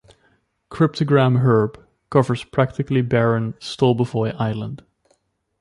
Cryptogam herb covers practically barren Stolbovoy Island.